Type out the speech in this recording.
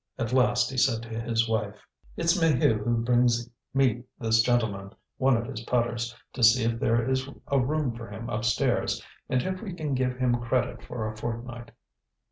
At last he said to his wife: "It's Maheu who brings me this gentleman, one of his putters, to see if there is a room for him upstairs, and if we can give him credit for a fortnight."